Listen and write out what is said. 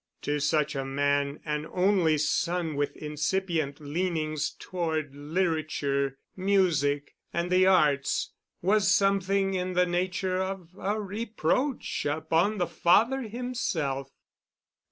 To such a man an only son with incipient leanings toward literature, music, and the arts was something in the nature of a reproach upon the father himself.